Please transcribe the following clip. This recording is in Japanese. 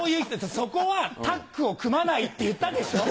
そこはタッグを組まないって言ったでしょ？